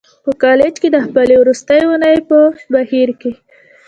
په کالج کې د خپلې وروستۍ اونۍ په بهیر کې